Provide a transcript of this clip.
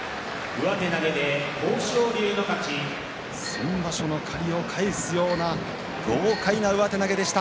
先場所の借りを返すような豪快な上手投げでした。